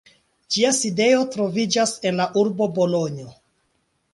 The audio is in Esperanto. Ĝia sidejo troviĝas en la urbo Bolonjo.